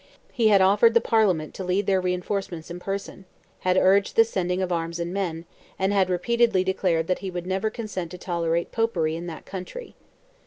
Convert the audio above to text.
He had offered the Parliament to lead their reinforcements in person, had urged the sending of arms and men, and had repeatedly declared that he would never consent to tolerate Popery in that country.